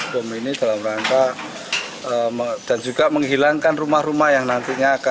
bom ini dalam rangka dan juga menghilangkan rumah rumah yang nantinya akan